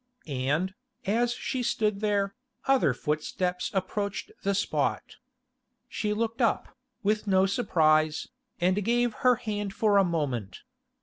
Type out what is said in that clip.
And, as she stood there, other footsteps approached the spot. She looked up, with no surprise, and gave her hand for a moment.